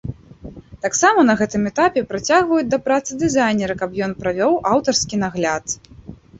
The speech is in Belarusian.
Таксама, на гэтым этапе прыцягваюць да працы дызайнера, каб ён правёў аўтарскі нагляд.